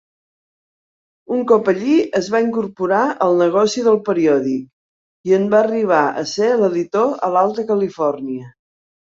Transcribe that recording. Un cop allí es va incorporar al negoci del periòdic, i en va arribar a ser l'editor a l'Alta Califòrnia.